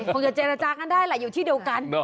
คงจะเจรจากันได้แหละอยู่ที่เดียวกัน